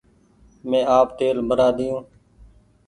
مينٚ آپ تيل ڀرآۮييو